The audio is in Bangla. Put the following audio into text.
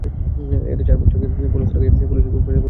এতে চার বছর আগেই পলেস্তারা খসে পড়ে সেতুর পিলারগুলো দুর্বল হয়ে যায়।